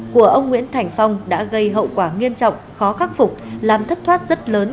của ông nguyễn thành phong đã gây hậu quả nghiêm trọng khó khắc phục làm thất thoát rất lớn